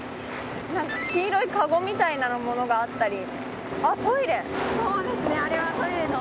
なんか、黄色いかごみたいなものがあったりそうです、あれはトイレの。